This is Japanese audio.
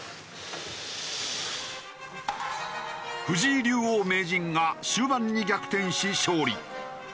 藤井竜王・名人が終盤に逆転し勝利。